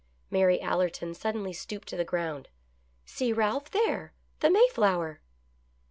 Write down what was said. Mary Allerton suddenly stooped to the ground. " See, Ralph, there ! the Mayflower